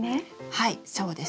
はいそうです。